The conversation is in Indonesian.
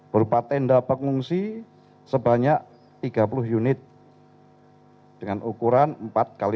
berupa tenda pengungsi sebanyak tiga puluh unit dengan ukuran empat x dua belas meter